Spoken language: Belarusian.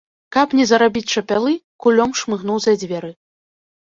Каб не зарабіць чапялы, кулём шмыгнуў за дзверы.